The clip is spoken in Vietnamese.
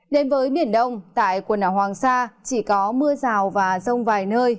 đến với biển đông tại quần đảo hoàng sa chỉ có mưa rào và rông vài nơi